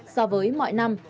so với mọi năm